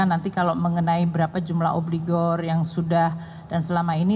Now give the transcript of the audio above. nanti kalau mengenai berapa jumlah obligor yang sudah dan selama ini